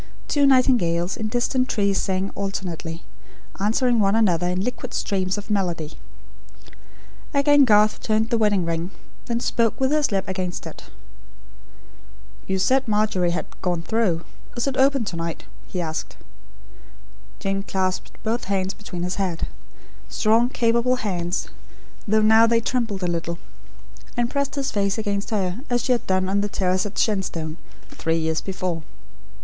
Two nightingales, in distant trees, sang alternately; answering one another in liquid streams of melody. Again Garth turned the wedding ring; then spoke, with his lips against it. "You said Margery had 'gone through.' Is it open to night?" he asked. Jane clasped both hands behind his head strong, capable hands, though now they trembled a little and pressed his face against her, as she had done on the terrace at Shenstone, three years before.